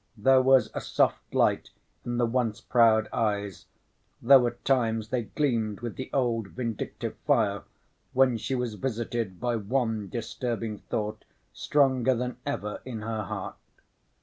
There was a soft light in the once proud eyes, though at times they gleamed with the old vindictive fire when she was visited by one disturbing thought stronger than ever in her heart.